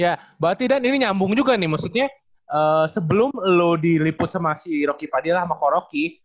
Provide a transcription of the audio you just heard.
ya berarti dan ini nyambung juga nih maksudnya sebelum lo diliput sama si rocky padilah sama ko rocky